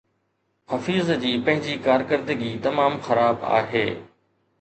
حفيظ جي پنهنجي ڪارڪردگي تمام خراب آهي